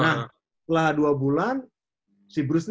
setelah dua bulan si bruce